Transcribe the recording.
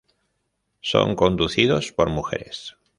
Son conducidos por mujeres.